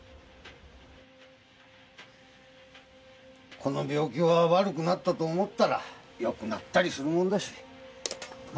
この病気は悪くなったと思ったらよくなったりするもんだしま